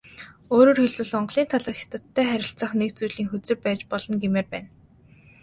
Өөрөөр хэлбэл, Монголын талаас Хятадтай харилцах нэг зүйлийн хөзөр байж болно гэмээр байна.